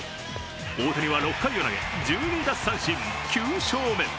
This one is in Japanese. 大谷は６回を投げ、１２奪三振、９勝目。